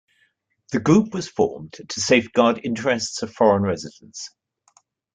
The group was formed to safeguard interests of foreign residents.